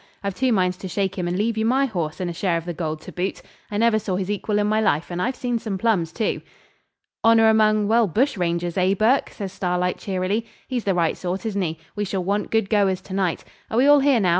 I've two minds to shake him and leave you my horse and a share of the gold to boot. I never saw his equal in my life, and I've seen some plums too.' 'Honour among well bush rangers, eh, Burke?' says Starlight cheerily. 'He's the right sort, isn't he? We shall want good goers to night. Are we all here now?